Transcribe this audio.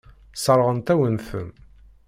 Sseṛɣent-awen-ten.